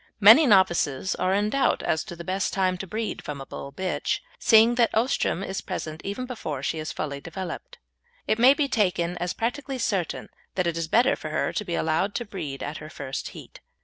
Many novices are in doubt as to the best time to breed from a Bull bitch, seeing that oestrum is present before she is fully developed. It may be taken as practically certain that it is better for her to be allowed to breed at her first heat.